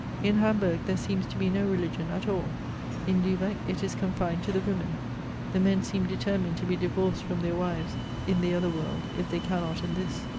In Hamburg, there seems to be no religion at all; in Luebec it is confined to the women. The men seemed determined to be divorced from their wives in the other world, if they cannot in this.